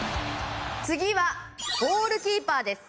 次はゴールキーパーです。